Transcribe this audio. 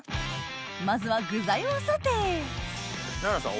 まずは具材をソテー奈々さん